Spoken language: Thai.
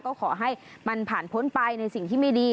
ก็ขอให้มันผ่านพ้นไปในสิ่งที่ไม่ดี